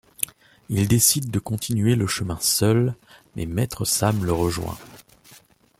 Il décide de continuer le chemin seul, mais Maître Sam le rejoint.